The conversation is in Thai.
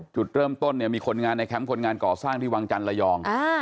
จุดเริ่มต้นเนี่ยมีคนงานในแคมป์คนงานก่อสร้างที่วังจันทร์ระยอง